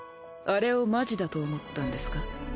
あれをマジだと思ったんですか？